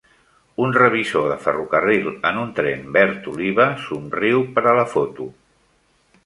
Un revisor de ferrocarril en un tren verd oliva somriu per a la foto